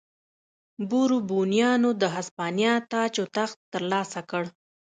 بوروبونیانو د هسپانیا تاج و تخت ترلاسه کړ.